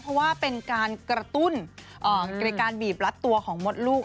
เพราะว่าเป็นการกระตุ้นในการบีบรัดตัวของมดลูก